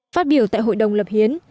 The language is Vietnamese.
phát biểu tại hội đồng lập hiến